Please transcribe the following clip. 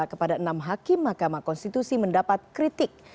kepada enam hakim mahkamah konstitusi mendapat kritik